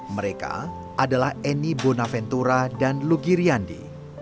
mereka adalah eni bonaventura dan lugi riandi